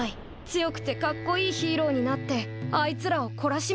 強くてかっこいいヒーローになってあいつらをこらしめてやりたい。